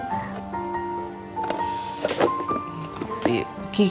pasti enak buatan kiki